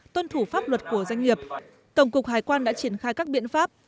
tuân thủ pháp luật của doanh nghiệp tổng cục hải quan đã triển khai các biện pháp